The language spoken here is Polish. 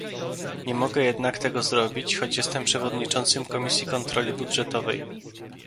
Nie mogę jednak tego zrobić, choć jestem przewodniczącym Komisji Kontroli Budżetowej